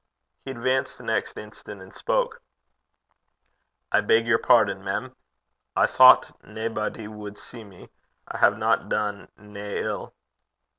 He advanced the next instant and spoke. 'I beg yer pardon, mem. I thoucht naebody wad see me. I haena dune nae ill.'